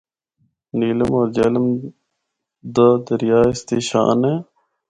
نیلم اور جہلم دا دریا اس دی شان اے۔